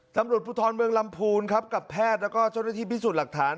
ตำรวจภูทรเมืองลำพูนครับกับแพทย์แล้วก็เจ้าหน้าที่พิสูจน์หลักฐาน